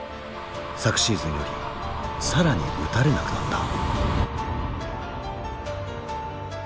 昨シーズンより更に打たれなくなった。